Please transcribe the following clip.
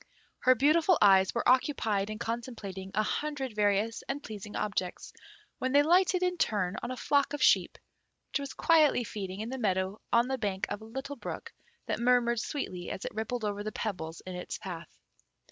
Her beautiful eyes were occupied in contemplating a hundred various and pleasing objects, when they lighted in turn on a flock of sheep which was quietly feeding in the meadow on the bank of a little brook that murmured sweetly as it rippled over the pebbles in its path.